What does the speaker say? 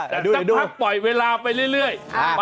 พักปล่อยเวลาไปเรื่อย